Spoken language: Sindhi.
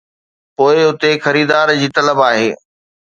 پوء اتي خريدار جي طلب آهي